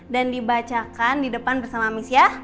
dan dibacakan di lantai